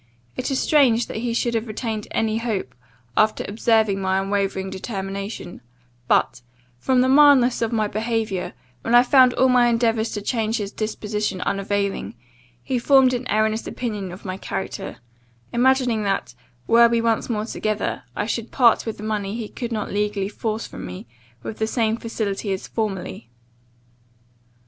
It is strange that he should have retained any hope, after observing my unwavering determination; but, from the mildness of my behaviour, when I found all my endeavours to change his disposition unavailing, he formed an erroneous opinion of my character, imagining that, were we once more together, I should part with the money he could not legally force from me, with the same facility as formerly.